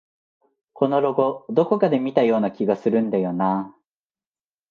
このロゴ、どこかで見たような気がするんだよなあ